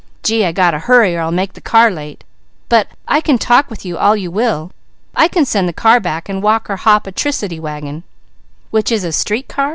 Gee, I got to hurry or I'll make the car late; but I can talk with you all you will. I can send the car back and walk or hop a 'tricity wagon." "Which is a street car?"